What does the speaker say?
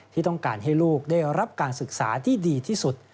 ที่ต้องการให้ลูกได้รับการศึกษาที่ดีที่สุด